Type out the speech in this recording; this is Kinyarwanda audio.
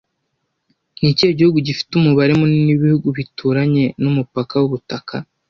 Ni ikihe gihugu gifite umubare munini w’ibihugu bituranye n’umupaka w’ubutaka